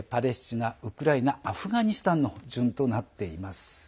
そしてパレスチナ、ウクライナアフガニスタンの順となっています。